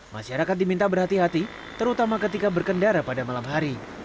masyarakat diminta berhati hati terutama ketika berkendara pada malam hari